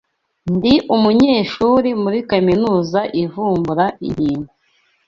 Ndi umunyeshuri muri kaminuza ivumbura inkingo